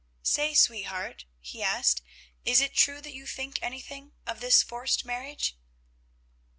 "Say, sweetheart," he asked, "is it true that you think anything of this forced marriage?"